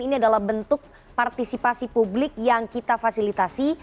ini adalah bentuk partisipasi publik yang kita fasilitasi